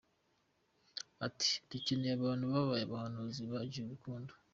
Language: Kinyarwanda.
Ati : "Dukeneye abantu babaye abahanuzi, bagize urukundo.